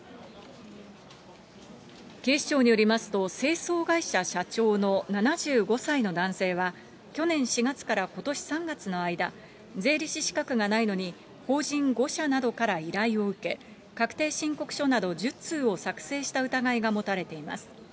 警視庁によりますと、清掃会社社長の７５歳の男性は、去年４月からことし３月の間、税理士資格がないのに、法人５社などから依頼を受け、確定申告書など１０通を作成した疑いが持たれています。